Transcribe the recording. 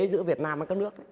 giữa việt nam và các nước